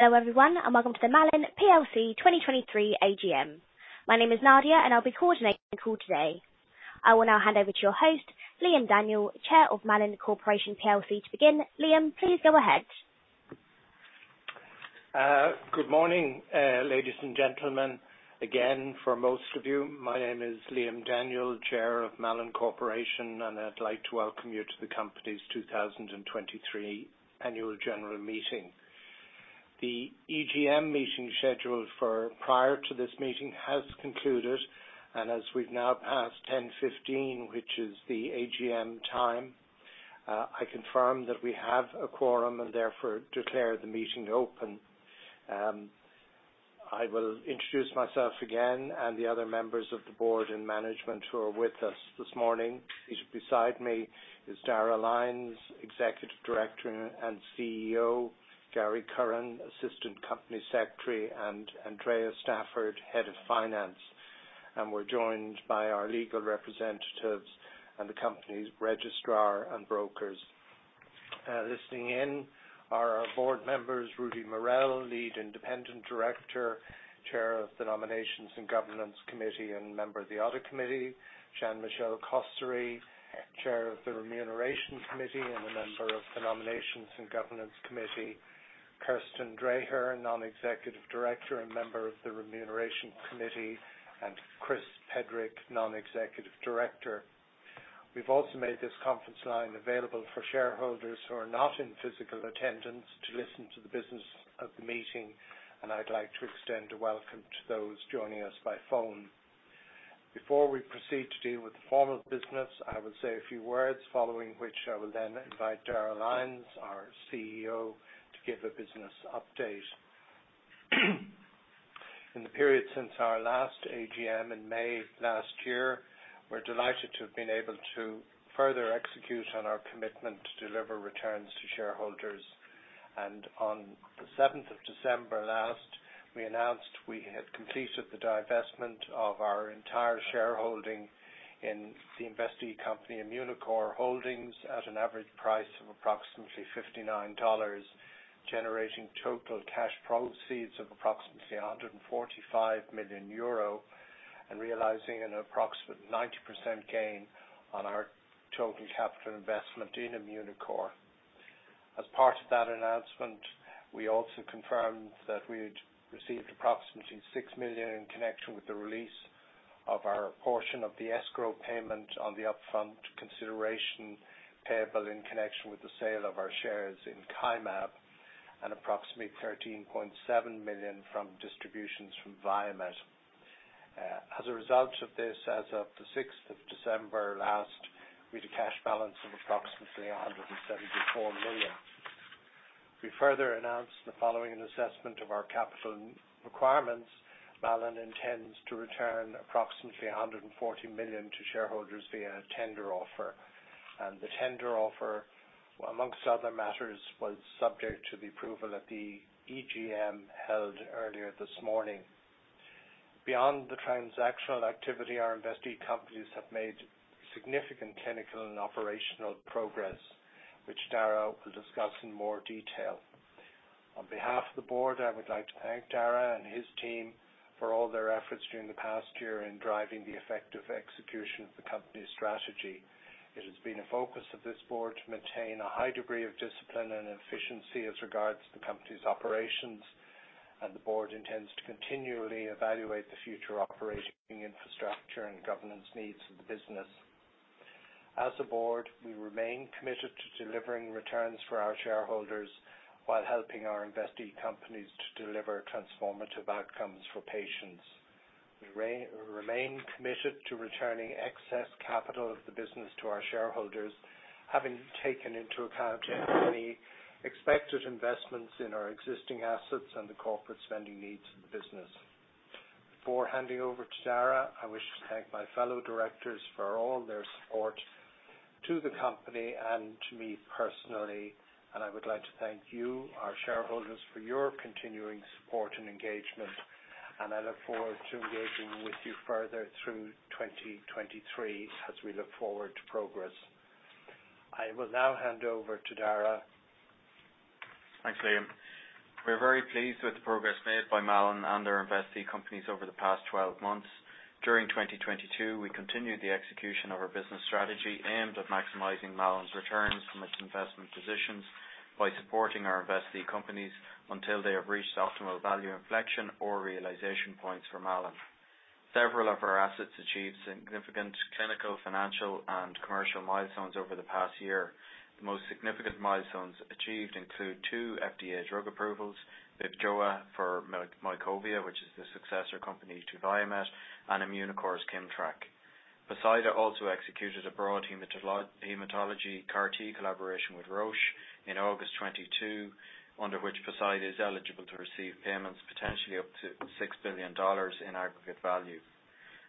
Hello, everyone, welcome to the Malin PLC 2023 AGM. My name is Nadia. I'll be coordinating the call today. I will now hand over to your host, Liam Daniel, Chair of Malin Corporation plc to begin. Liam, please go ahead. Good morning, ladies and gentlemen. Again, for most of you, my name is Liam Daniel, Chair of Malin Corporation, and I'd like to welcome you to the company's 2023 annual general meeting. The EGM meeting scheduled for prior to this meeting has concluded, and as we've now passed 10:15, which is the AGM time, I confirm that we have a quorum and therefore declare the meeting open. I will introduce myself again and the other members of the board and management who are with us this morning. Beside me is Darragh Lyons, Executive Director and CEO, Gary Curran, Assistant Company Secretary, and Andrea Stafford, Head of Finance. We're joined by our legal representatives and the company's registrar and brokers. Listening in are our board members, Rudy Mareel, Lead Independent Director, Chair of the Nominations and Governance Committee and member of the Audit Committee, Jean-Michel Cosséry, Chair of the Remuneration Committee and a member of the Nominations and Governance Committee, Kirsten Drejer, Non-Executive Director and member of the Remuneration Committee, and Chris Pedrick, Non-Executive Director. We've also made this conference line available for shareholders who are not in physical attendance to listen to the business of the meeting. I'd like to extend a welcome to those joining us by phone. Before we proceed to deal with the formal business, I will say a few words, following which I will then invite Darragh Lyons, our CEO, to give a business update. In the period since our last AGM in May last year, we're delighted to have been able to further execute on our commitment to deliver returns to shareholders. On the seventh of December last, we announced we had completed the divestment of our entire shareholding in the investee company, Immunocore Holdings, at an average price of approximately $59, generating total cash proceeds of approximately 145 million euro and realizing an approximate 90% gain on our total capital investment in Immunocore. As part of that announcement, we also confirmed that we had received approximately 6 million in connection with the release of our portion of the escrow payment on the upfront consideration payable in connection with the sale of our shares in Kymab and approximately 13.7 million from distributions from Viamet. As a result of this, as of the sixth of December last, we had a cash balance of approximately 174 million. We further announced that following an assessment of our capital requirements, Malin intends to return approximately 140 million to shareholders via a tender offer. The tender offer, amongst other matters, was subject to the approval at the EGM held earlier this morning. Beyond the transactional activity, our investee companies have made significant clinical and operational progress, which Darragh will discuss in more detail. On behalf of the board, I would like to thank Darragh and his team for all their efforts during the past year in driving the effective execution of the company's strategy. It has been a focus of this board to maintain a high degree of discipline and efficiency as regards to the company's operations. The board intends to continually evaluate the future operating infrastructure and governance needs of the business. As a board, we remain committed to delivering returns for our shareholders while helping our investee companies to deliver transformative outcomes for patients. We remain committed to returning excess capital of the business to our shareholders, having taken into account any expected investments in our existing assets and the corporate spending needs of the business. Before handing over to Darragh, I wish to thank my fellow directors for all their support to the company and to me personally. I would like to thank you, our shareholders, for your continuing support and engagement. I look forward to engaging with you further through 2023 as we look forward to progress. I will now hand over to Darragh. Thanks, Liam. We're very pleased with the progress made by Malin and their investee companies over the past 12 months. During 2022, we continued the execution of our business strategy aimed at maximizing Malin's returns from its investment positions by supporting our investee companies until they have reached optimal value inflection or realization points for Malin. Several of our assets achieved significant clinical, financial, and commercial milestones over the past year. The most significant milestones achieved include two FDA drug approvals with VIVJOA for Mycovia, which is the successor company to Viamet, and Immunocore's KIMMTRAK. Poseida also executed a broad hematology CAR-T collaboration with Roche in August 2022, under which Poseida is eligible to receive payments, potentially up to $6 billion in aggregate value.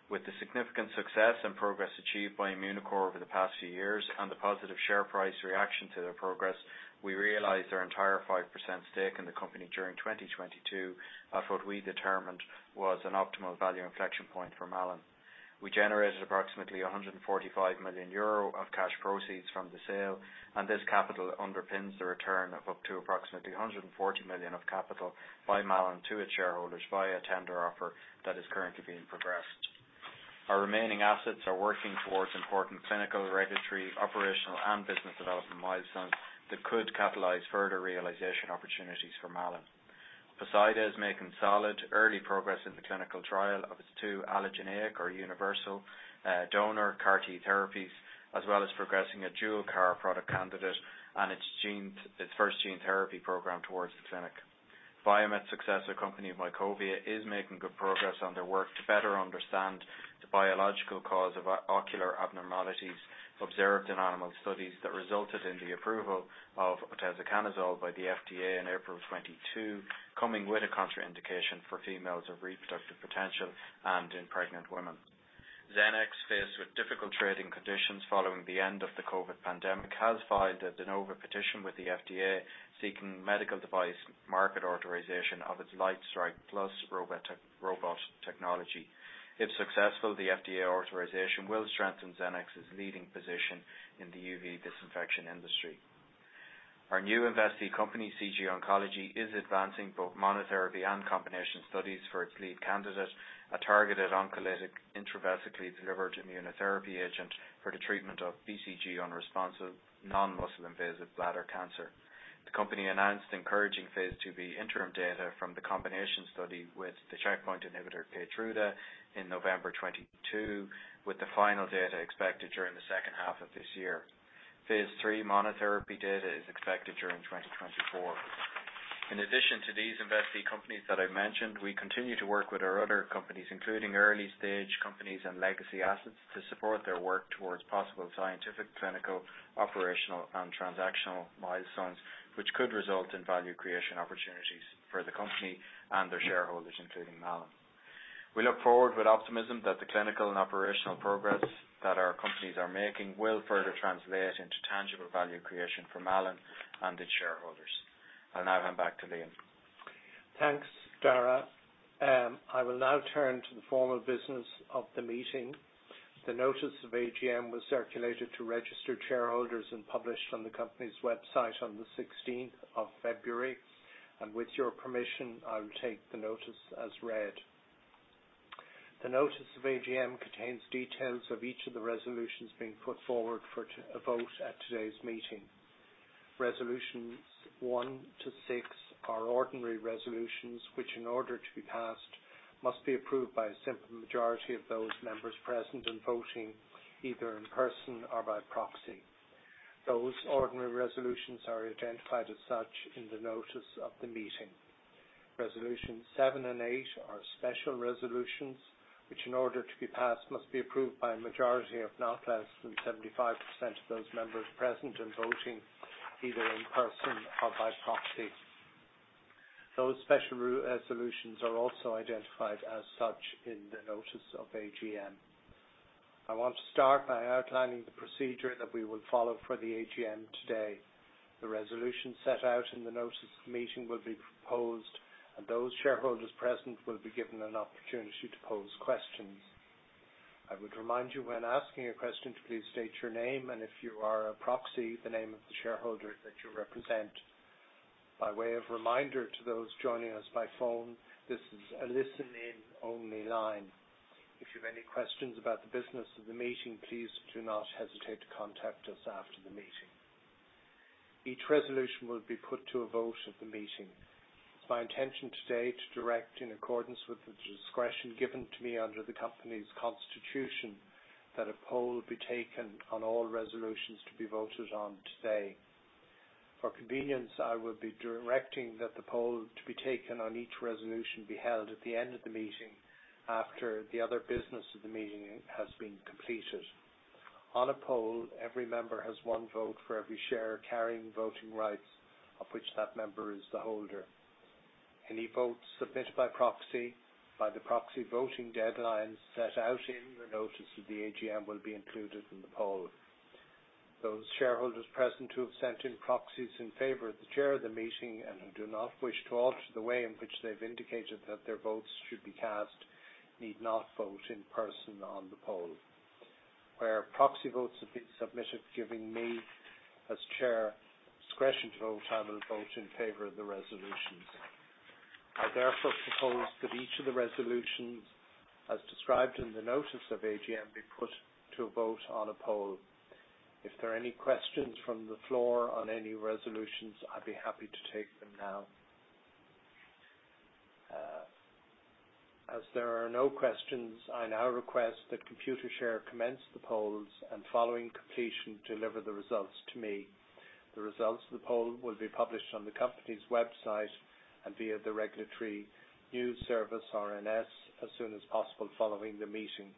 With the significant success and progress achieved by Immunocore over the past few years and the positive share price reaction to their progress, we realized our entire 5% stake in the company during 2020 at what we determined was an optimal value inflection point for Malin. We generated approximately 145 million euro of cash proceeds from the sale. This capital underpins the return of up to approximately 140 million of capital by Malin to its shareholders via a tender offer that is currently being progressed. Our remaining assets are working towards important clinical, regulatory, operational, and business development milestones that could catalyze further realization opportunities for Malin. Poseida is making solid early progress in the clinical trial of its two allogeneic or universal donor CAR-T therapies, as well as progressing a dual CAR product candidate and its first gene therapy program towards the clinic. Viamet's successor company, Mycovia, is making good progress on their work to better understand the biological cause of ocular abnormalities observed in animal studies that resulted in the approval of oteseconazole by the FDA in April of 2022, coming with a contraindication for females of reproductive potential and in pregnant women. Xenex, faced with difficult trading conditions following the end of the COVID pandemic, has filed a De Novo petition with the FDA seeking medical device market authorization of its LightStrike Plus robot technology. If successful, the FDA authorization will strengthen Xenex's leading position in the UV disinfection industry. Our new investee company, CG Oncology, is advancing both monotherapy and combination studies for its lead candidate, a targeted oncolytic intravascularly delivered immunotherapy agent for the treatment of BCG-unresponsive non-muscle-invasive bladder cancer. The company announced encouraging phase IIb interim data from the combination study with the checkpoint inhibitor KEYTRUDA in November 2022, with the final data expected during the second half of this year. Phase III monotherapy data is expected during 2024. In addition to these investee companies that I mentioned, we continue to work with our other companies, including early-stage companies and legacy assets, to support their work towards possible scientific, clinical, operational and transactional milestones which could result in value creation opportunities for the company and their shareholders, including Malin. We look forward with optimism that the clinical and operational progress that our companies are making will further translate into tangible value creation for Malin and its shareholders. I'll now hand back to Liam. Thanks, Darragh. I will now turn to the formal business of the meeting. The notice of AGM was circulated to registered shareholders and published on the company's website on the 16th of February, and with your permission, I'll take the notice as read. The notice of AGM contains details of each of the resolutions being put forward for a vote at today's meeting. Resolutions 1-6 are ordinary resolutions, which in order to be passed, must be approved by a simple majority of those members present and voting either in person or by proxy. Those ordinary resolutions are identified as such in the notice of the meeting. Resolutions seven and eight are special resolutions, which in order to be passed, must be approved by a majority of not less than 75% of those members present and voting either in person or by proxy. Those special resolutions are also identified as such in the notice of AGM. I want to start by outlining the procedure that we will follow for the AGM today. The resolution set out in the notice of the meeting will be proposed, and those shareholders present will be given an opportunity to pose questions. I would remind you when asking a question to please state your name, and if you are a proxy, the name of the shareholder that you represent. By way of reminder to those joining us by phone, this is a listen in only line. If you have any questions about the business of the meeting, please do not hesitate to contact us after the meeting. Each resolution will be put to a vote at the meeting. It's my intention today to direct in accordance with the discretion given to me under the company's constitution that a poll be taken on all resolutions to be voted on today. For convenience, I will be directing that the poll to be taken on each resolution be held at the end of the meeting after the other business of the meeting has been completed. On a poll, every member has one vote for every share carrying voting rights of which that member is the holder. Any votes submitted by proxy, by the proxy voting deadlines set out in the notice of the AGM will be included in the poll. Those shareholders present who have sent in proxies in favor of the chair of the meeting and who do not wish to alter the way in which they've indicated that their votes should be cast need not vote in person on the poll. Where proxy votes have been submitted giving me, as chair, discretion to vote, I will vote in favor of the resolutions. I therefore propose that each of the resolutions, as described in the notice of AGM, be put to a vote on a poll. If there are any questions from the floor on any resolutions, I'd be happy to take them now. As there are no questions, I now request that Computershare commence the polls and, following completion, deliver the results to me. The results of the poll will be published on the company's website and via the regulatory news service, RNS, as soon as possible following the meeting.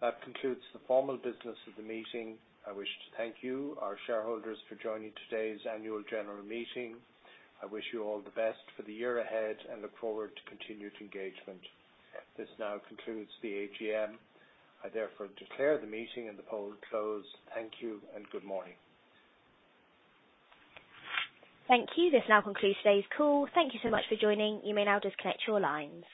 That concludes the formal business of the meeting. I wish to thank you, our shareholders, for joining today's annual general meeting. I wish you all the best for the year ahead and look forward to continued engagement. This now concludes the AGM. I therefore declare the meeting and the poll closed. Thank you and good morning. Thank you. This now concludes today's call. Thank you so much for joining. You may now disconnect your lines.